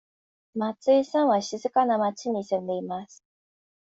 松井さんは静かな町に住んでいます。